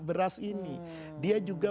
beras ini dia juga